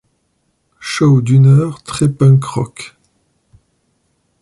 Show d'une heure très punk rock.